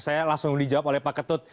saya langsung dijawab oleh pak ketut